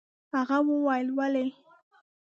هغه وويل: ولې؟